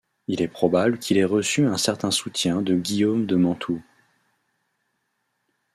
Il est probable qu'il ait reçu un certain soutien de Guillaume de Mantoue.